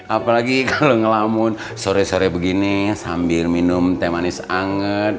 apalagi kalau ngelamun sore sore begini sambil minum teh manis anget